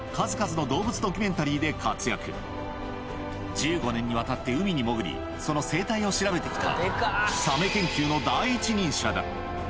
１５年にわたって海に潜りその生態を調べてきた